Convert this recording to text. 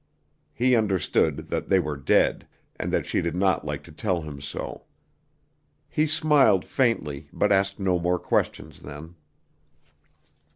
He understood that they were dead, and that she did not like to tell him so. He smiled faintly, but asked no more questions then.